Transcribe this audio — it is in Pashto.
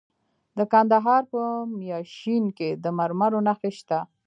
د کندهار په میانشین کې د مرمرو نښې شته.